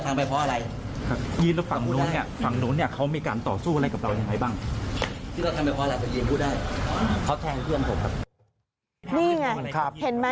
นี่ไงเห็นไหม